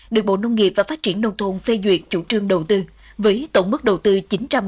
được bộ nông nghiệp và phát triển nông thôn phê duyệt chủ trương đầu tư với tổng mức đầu tư chín trăm linh